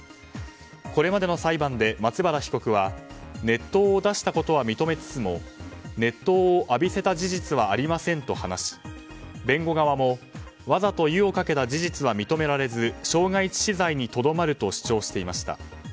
これまでの裁判で、松原被告は熱湯を出したことは認めつつも熱湯を浴びせた事実はありませんと話し弁護側もわざと湯をかけた事実は認められず傷害致死罪にとどまると主張していました。